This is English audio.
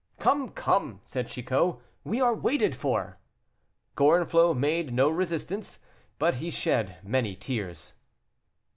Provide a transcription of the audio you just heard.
"Come, come," said Chicot, "we are waited for." Gorenflot made no resistance, but he shed many tears.